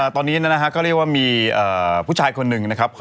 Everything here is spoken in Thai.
ตอนนี้ก็เรียกว่ามีผู้ชายคนนึงครับ